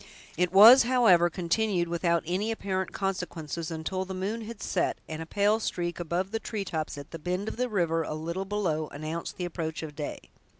It was, however, continued without any apparent consequences, until the moon had set, and a pale streak above the treetops, at the bend of the river a little below, announced the approach of day.